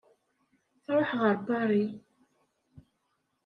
Tṛuḥ ɣer Paris.